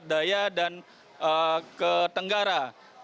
ke peraya dan ke tenggara